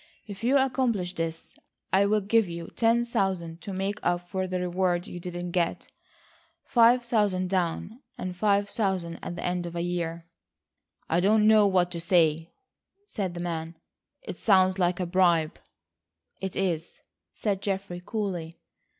If you accomplish this, I will give you ten thousand to make up for the reward you didn't get,—five thousand down, and five thousand at the end of a year." "I don't know what to say," said the man. "It sounds like a bribe." "It is," said Geoffrey coolly.